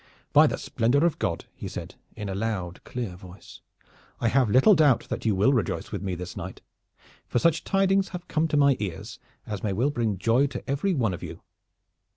"By the splendor of God!" said he in a loud clear voice, "I have little doubt that you will rejoice with me this night, for such tidings have come to my ears as may well bring joy to everyone of you.